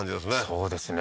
そうですね